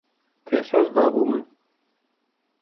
Te soz dabû min.